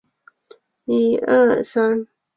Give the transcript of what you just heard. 群胚的概念在拓扑学中很重要。